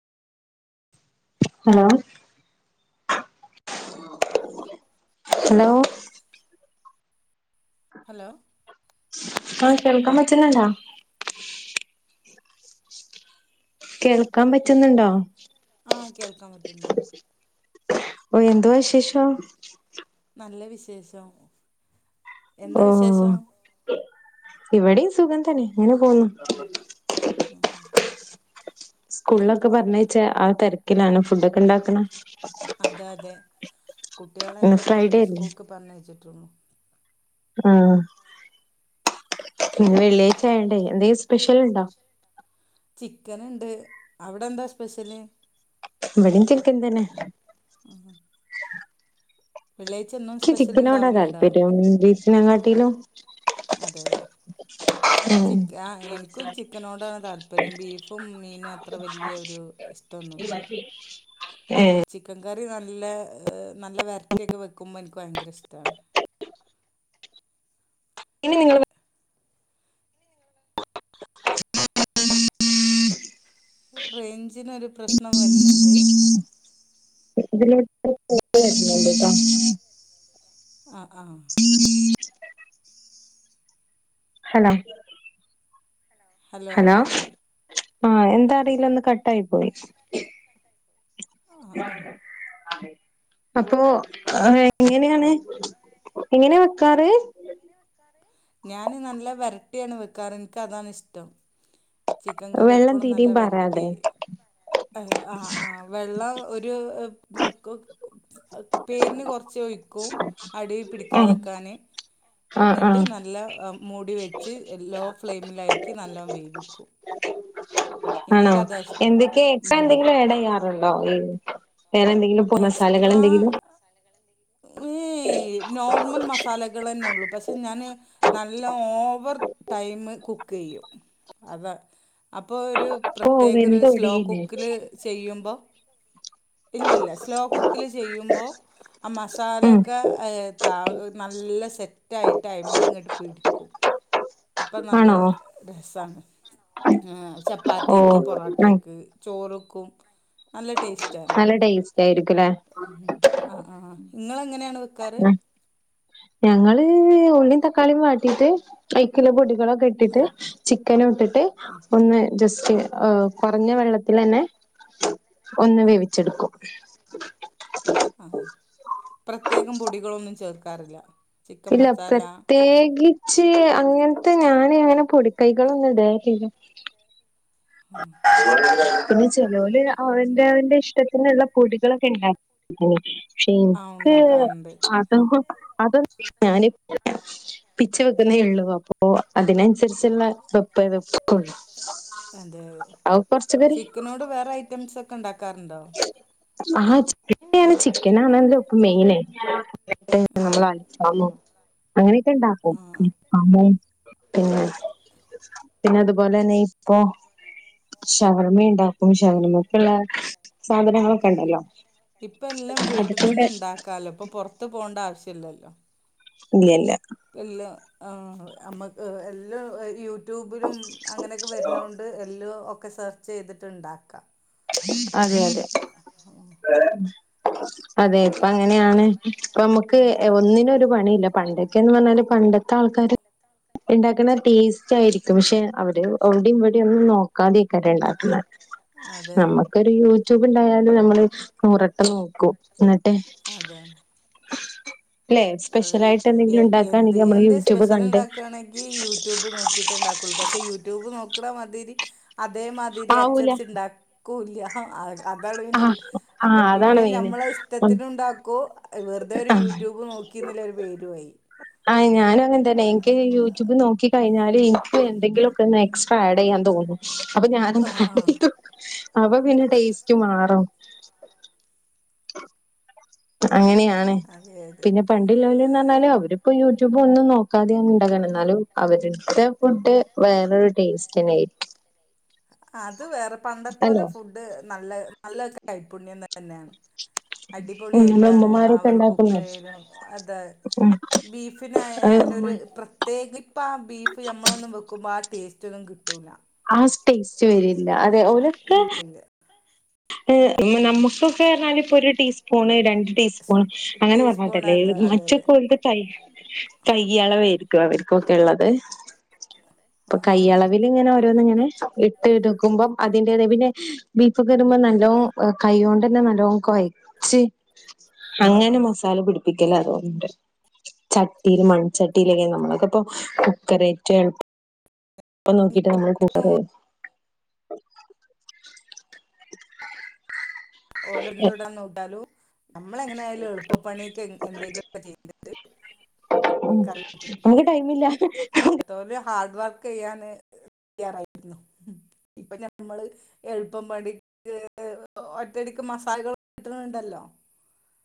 Hello. Hello. Hello. ആഹ കേൾക്കാൻ പറ്റ്ന്ന്ണ്ടോ? കേൾക്കാൻ പറ്റുന്നുണ്ടോ? ആഹ കേൾക്കാൻ പറ്റുന്നുണ്ട്. ഓ എന്തുവാ വിശേഷം? നല്ല വിശേഷം ഓ എന്താ വിശേഷം? ഇവിടെയും സുഖം തന്നെ ഇങ്ങനെ പോന്നു. ഉം എ സ്കൂളിലൊക്കെ പറഞ്ഞ യച്ച ആ തിരക്കിലാണ് ഫുഡൊക്കെ ഉണ്ടാക്ക് െണ. അതെ അതെ കുട്ടികളെ ഇന്ന് ഒക്കെ ഇപ്പ ഫ്രൈഡേ അല്ലേ സ്കൂൾക്ക് പറഞ്ഞയച്ചിട്ടുള്ളു. ആ ഇന്ന് വെള്ളിയായ്ചായോണ്ടെയ് എന്തേലും സ്പെ ഷല്ലുണ്ടോ? ചിക്കൻ ഉണ്ട് അവിടെ എന്താ സ്പെഷ്യല്? ഇവടിൻ ചിക്കൻ തന്നെ. മ് സ്പെഷ്യൽ ചിക്കനോടാ ഉണ്ടാവലുണ്ടോ താല്പര്യം ബീഫിനെകാട്ടിലും. അതെ ചിക്ക ആ ഇനിക്കും ചിക്കനോടാണ് താല്പര്യം ബീഫും മീനും അത്ര വല്ിയ ഒരു [unintelligible] ഏഹ് ചിക്കന് കറി നല്ല നല്ല വെരെറ്റിയൊക്കെ വെക്കുമ്പ ഇനിക്ക് ഭയങ്കര ഇഷ്ടാണ്. ഇനി നിങ്ങ റേഞ്ചിനൊരു പ്രശ്നം വരുന്നുണ്ട്. [unintelligible] ആ ആ ശരി. ഹലോ ഹലോ ആഹ എന്താ അറിയില ഒന്ന് കട്ടായി പോയി. ആ ആ അപ്പൊ എ എങ്ങനെയാണ്? എങ്ങനാ വെക്കാറ്? ഞാന് നല്ല വെരട്ടിയാണ് വെക്കാറ് എനിക്കതാണ് ഇഷ്ടം. ചിക്കൻ കറി വെള്ളം എപ്പഴും നല്ല തീരയും പാരാതെ വെരട്ടി ആ ആ വെള്ള ഒരു [unintelligible] പേരിന് കുറച്ച് ഒഴിക്കും ഉം അടീപിടിക്കാതക്കാന്. ആഹ് എന്നിട്ട് ആഹ് നല്ല മൂടി വെച്ച് ലോ ഫ്ലെയിമിലാക്കി നലോം വേവിക്കും. ആണോ എനിക്കതാ ഇഷ്ടം എന്തൊക്കെയ എക്സ്ര ഉം. എന്തെങ്കിലും ആഡ്യ്യാറുണ്ടോ ഈ വേറെ എന്തെങ്കിലും പ്പൊ മസാലകലെ എക്സ്ട്രാ ന്തെങ്കിലും ഈ നോർമൽ മസാലകളെന്ന്ഒള്ളു പക്ഷെ ഞാൻ നല്ല ഓവർ ടൈമ് കുക്ക് ചെയ്യും അതാണ് അപ്പോൾ ഒരു ഓ പ്രത്യേകഒര് സ്ലോ വെന്തൊടിയില്ലേ കുക്കിൽ ചെയ്യുമ്പോ ഇല്ല ഇല്ല സ്ലോ കുക്കില് ചെയ്യുമ്പോ ആ ഉം മസാലൊക്കെ ത നല്ല സെറ്റായിട്ട് അയ്മല് ഇങ്ങട്ട് പിടിക്കും അപ്പൊ നല്ല ആണോ രസാണ് ആ ഓ ചപ്പാത്തിക്ക് ഉം പൊറോട്ടക്ക് ചോറ് ക്കും നല്ല ടേസ്റ്റാണ് നല്ല ടേസ്റ്റ് ആയിരിക്കുംല്ലേ ആഹ് ആഹ് ഇങ്ങളെങ്ങനെയാണ് വെക്കാറ് ഉം ഞങ്ങള് ഉള്ളിം തക്കാളിം വാട്ടീട്ട് അയ്ക്ക്ള്ള പൊടി ഉം ക്കെട്ടിട്ട് ചിക്കനും ട്ടിട്ട് ഒന്ന് ജസ്റ്റ് ആഹ് കുറഞ്ഞ വെള്ളത്തിലെന്നെ ഒന്ന് വേവിച്ചെടുക്കും ആഹാ പ്രത്യേകം പൊടികളൊന്നും ചേർക്കാറില്ല ചിക്കൻ ഇല്ല മസാല പ്രത്യേകിച്ച് അങ്ങനത്തെ ഞാന് അങ്ങനെ പൊടിക്കൈകളൊന്നും ഇടേലില്ല പിന്നെ ചെലോല് അവന്റെ അവന്റെ ഇഷ്ടത്തിനുള്ള കുടികളൊക്കെ ണ്ടാക്ക പക്ഷെ ആ എനിക്ക് ഉണ്ടാക്കാറുണ്ട് അത അതൊ ഞാനി പിച്ച വെക്കുന്നേ ഉള്ളൂ അപ്പൊ അതിനനുസരിച്ചുള്ള വെപ്പ് വെക്കള്ളൂ അതെതെ ചിക്കനോട് വേറെ ഐറ്റംസ് ഒക്കെ ണ്ടാക്കാറുണ്ടോ ആഹ് ചിക്കനെ ചിക്കനാണല്ലോ ഇപ്പ മെയിന് ആ നമ്മള അാമോ അങ്ങനെയൊക്കെ ഉണ്ടാക്കും ആ പിന്നെ പിന്നെ അതുപോലെന്നെ ഇപ്പൊ ഷവർമി ണ്ടാകും ഷവർമക്ക്ള്ളെ സാധനങ്ങളൊക്കെ ണ്ടല്ലോ ഇപ്പ എല്ലാം വീട്ടിതന്നെ ണ്ടാക്കാലോ ഇപ്പൊ പൊറത്ത് പോണ്ട ആവശ്യല്ലല്ലോ ഇല്ല്യ ല്ല ഇല്ലാ ആ നമ്മക്ക് എല്ലാം യൂ ട്യൂബിലും അങ്ങനൊക്കെ വരുന്നോണ്ട് എല്ലാം ഒക്കെ സെർച്ച് ചെയ്തിട്ട്ണ്ടാക്കാ അതെ അതെ അതെ ഇപ്പ അങ്ങനെയാണ് ഇപ്പ മ്മക്ക് ഒന്നിനും ഒരു പണീല്ല പണ്ട ത്യം പറഞ്ഞാല് പണ്ടത്തെ ആൾക്കാർ ണ്ടാക്ണ ടേസ്റ്റ് ആയിരിക്കും ക്ഷെ അവര് അവിടെം ഇവിടേം ഒന്നും നോക്കാതെക്കാര് ണ്ടാക്കുന്ന അത് നമ്മക്കൊരു യൂട്യൂബണ്ടായാലും നമ്മള് നൂറട്ടം നോക്കും എന്നിട്ടെ അതാണ് [unintelligible] ല്ലെ സ്പെഷ്യലായിട്ട് എ എന്തെങ്കിലും എന്ത് ഉണ്ടാക്കാണെങ്കില് ഞമ്മള് എന്ത് യൂട്യൂബ് സ്പെഷ്യൽ കണ്ട് ഉണ്ടാക്കൊള്ളൂ പക്ഷെ യൂട്യൂബ് നോ ക്ണമാതിരി അതേമാതിരി ആവൂല അച്ചടിച്ച് ണ്ടാക്കൂല്യ ആ അതാണ് ആ പിന്നെ ആ അപ്പൊ അതാണ് പിന്നെ മെയിന് ഞമ്മളെ ഇഷ്ടത്തിനുണ്ടാക്കൂ വെറുതേ ഒരു ആ യൂട്യൂബ് നോക്കീന്ന്ള്ള ഒരു പേരു ആയി ആ ഞാനും അങ്ങൻതന്നെ എനിക്ക് യൂട്യൂബ് നോക്കി കഴിഞ്ഞാല് എനിക്ക് എന്തെങ്കിലൊക്കെ എക്സ്ട്രാ ആഡ് യ്യാൻ തോന്നു അപ്പൊ ഞാനും ആഹ് ആഹ് അപ്പ പിന്നെ ടേസ്റ്റ് മാറും അങ്ങനെയാണ് അതെ അതെ പിന്നെ പണ്ട്ള്ളോര് ന്നറിഞ്ഞാല് അവരിപ്പോ യൂട്യൂബ് ഒന്നും നോക്കാതെ ആണ് ണ്ടാക്ക്ന്ന് ന്നാലും അവരുട്ത്തെ ഫുഡ് വേറൊരു ടേസ്റ്റ്ണ്ടായിന്ന് അത് വേറെ പണ്ടത്തോലെ ഫുഡ് നല്ല നല്ല കൈപുണ്യ തന്നേണ് ഉം നമ്മളെ അടിപൊളിആയിട്ടാണ് ഉമ്മമാരൊക്കെ അവർ ഉണ്ടാക്കുന്നെ കുക്കെയ്യെലും അതാ ഉം അത് ബീഫിനായാല് ഒര് പ്രത്യേക ഇപ്പ ആ ബീഫ് മ്മളൊന്ന് വെക്കുമ്പോ ആ ടേസ്റ്റ് ഒന്നും കിട്ടൂല്ല ആ ടേസ്റ്റ് വരില്ല അതെ ഊലെക്കെ ഇല്ല ഇല്ല നമുക്കൊക്കെർറഞ്ഞാല് പ്പൊരു ടീസ്പൂണ് രണ്ട് ടീസ്പൂൺ അങ്ങനെ ടീസ്പൂൺ പറഞ്ഞാണ്ടല്ലേ അത് അതെ മറ്റേ അതെ [unintelligible] കൈ അളവായിരിക്കും അവക്കൊക്കെള്ളത് ആ ആ ഇപ്പൊകയ്യളവില്ഇങ്ങനെ ഓരോന്ന് ഇങ്ങനെ ഇട്ട്ഇട്ക്കുമ്മ്മ്പോ അതിന്റത്പിന്നെ ബീഫോ നല്ലോം കൈയ്യോണ്ടന്നെനല്ലോം കോയച് അങ്ങനെ മസാലപിടിപ്പിക്കലതൊന്ന്ണ്ട് ചട്ടില് മൺചട്ടിയിലൊക്കെ നമ്മൾക്കപ്പൊ കുക്കറെ [unintelligible] പ്പം നോക്കീട്ട് നമ്മള് ഓല് ന്ത്‌ ടാൻ നോക്കിയാലും നമ്മളെങ്ങനെആയാലും എളുപ്പണിയൊക്കെ എന്തെങ്കിലുംക്കെ ചെയ്യ്തിട്ട് ഉ നമുക്ക് ടൈമഇില്ല പണ്ടത്തോല് ഹാർഡ് വർക്ക്യ്യാന് തയ്യാറായിരുന്നു ഇപ്പൊഞമ്മള് എളുപ്പംപണിക്ക് തടിക്ക് മസാലകൾകിട്ടുന്നുണ്ടല്ലോ